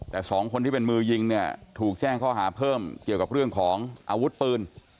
แต่สองคนที่เป็นมือยิงเนี่ยถูกแจ้งข้อหาเพิ่มเกี่ยวกับเรื่องของอาวุธปืน